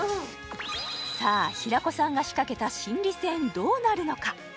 さあ平子さんが仕掛けた心理戦どうなるのか？